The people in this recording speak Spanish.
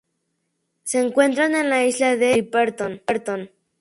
Se encuentra en la isla de Clipperton.